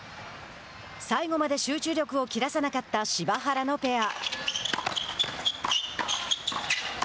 最後まで集中力を切らさなかった柴原のペア。